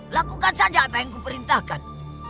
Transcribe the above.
lakukan saja apa yang kuperintahkan